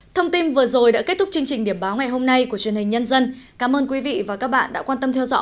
thông tin vừa rồi đã kết thúc chương trình điểm báo ngày hôm nay của truyền hình nhân dân